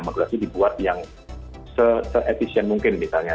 regulasi dibuat yang se efisien mungkin misalnya